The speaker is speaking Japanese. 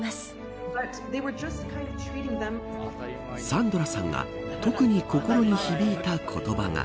サンドラさんが特に心に響いた言葉が。